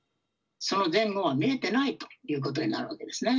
その前後は見えてないということになるわけですね。